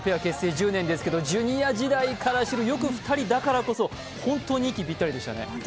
１０年ですがジュニア時代から知る２人だから本当に息ぴったりでしたね。